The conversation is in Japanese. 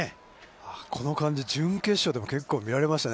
◆この感じ、準決勝でも見られましたね。